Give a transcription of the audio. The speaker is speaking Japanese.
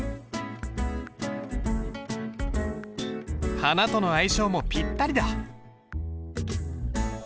花との相性もぴったりだ。